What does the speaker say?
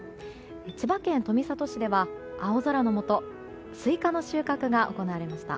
千葉県富里市では青空の下、スイカの収穫が行われました。